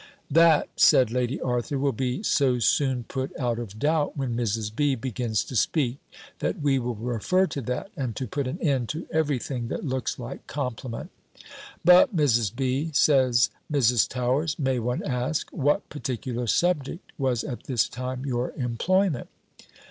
"That," said Lady Arthur, "will be so soon put out of doubt, when Mrs. B. begins to speak, that we will refer to that, and to put an end to every thing that looks like compliment." "But, Mrs. B.," says Mrs. Towers, "may one ask, what particular subject was at this time your employment?"